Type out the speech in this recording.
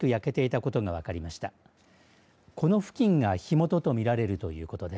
この付近が火元と見られるということです。